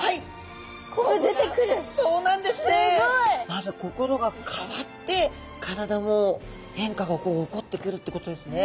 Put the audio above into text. まず心が変わって体も変化がこう起こってくるってことですね。